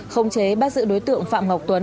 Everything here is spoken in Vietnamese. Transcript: không chế bắt giữ đối tượng phạm ngọc tuấn